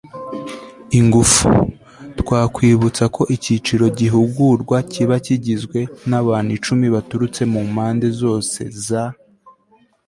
ingufu.twakwibutsa ko icyiciro gihugurwa kiba kigizwe n'abantu icumi baturutse mu mpande zose za